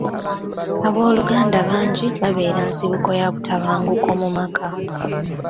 Abooluganda bangi babeera nsibuko ya butabanguko mu maka.